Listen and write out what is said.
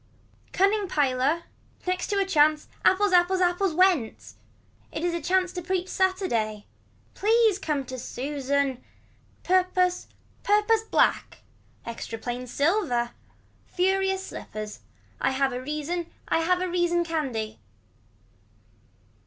Cunning piler. Next to a chance. Apples. Apples. Apples went. It was a chance to preach Saturday. Please come to Susan. Purpose purpose black. Extra plain silver. Furious slippers. Have a reason. Have a reason candy.